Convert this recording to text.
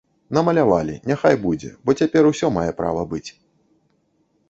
Намалявалі, няхай будзе, бо цяпер усё мае права быць.